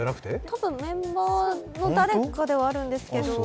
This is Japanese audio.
たぶんメンバーの誰かではあるんですけど。